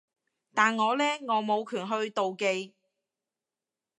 但我呢？我冇權去妒忌